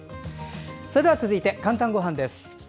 それでは続いて「かんたんごはん」です。